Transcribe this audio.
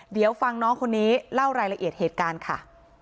เดี๋ยวฟังน้องคนนี้เล่ารายละเอียดเหตุการณ์ค่ะ